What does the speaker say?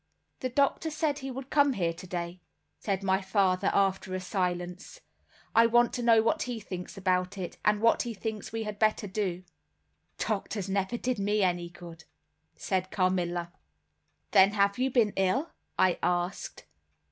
"The doctor said he would come here today," said my father, after a silence. "I want to know what he thinks about it, and what he thinks we had better do." "Doctors never did me any good," said Carmilla. "Then you have been ill?" I asked.